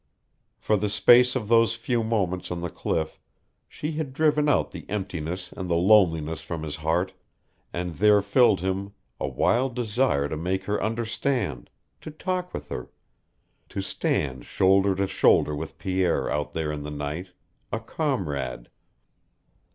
For the space of those few moments on the cliff she had driven out the emptiness and the loneliness from his heart, and there filled him a wild desire to make her understand, to talk with her, to stand shoulder to shoulder with Pierre out there in the night, a comrade.